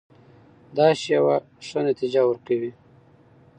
دا شیوه ښه نتیجه ورکوي.